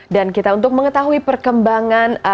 dan kita untuk mengetahui perkembangan